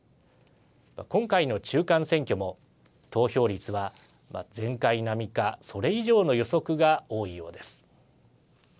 今回の中間選挙も投票率は前回並みかそれ以上の予測が多いようです。